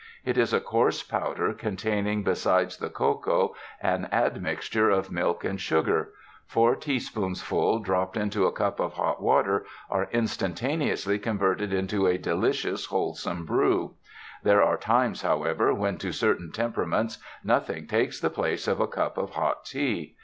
It is a coarse powder containing be sides the cocoa an admixture of milk and sugar; four teaspoonfuls dropped into a cup of hot water are instantaneously converted into a delicious, wholesome brew. There are times, however, when to certain temperaments nothing takes the place of a cup of hot tea.